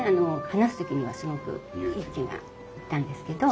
話す時にはすごく勇気がいったんですけど。